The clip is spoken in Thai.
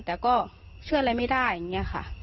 แต่ก็เชื่ออะไรไม่ได้อย่างนี้ค่ะ